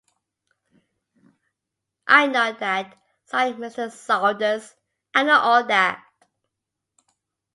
"I know that," sighed Mr. Saunders, "I know all that."